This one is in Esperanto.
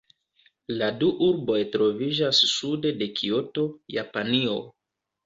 La du urboj troviĝas sude de Kioto, Japanio.